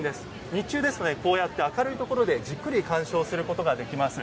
日中ですと、明るいところでじっくり鑑賞することができます。